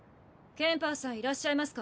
ケンパーさんいらっしゃいませんか。